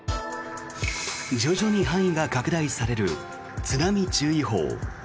徐々に範囲が拡大される津波注意報。